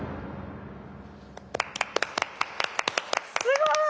すごい。